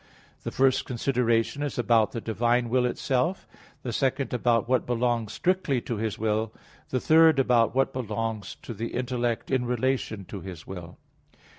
The first consideration is about the divine will itself; the second about what belongs strictly to His will; the third about what belongs to the intellect in relation to His will.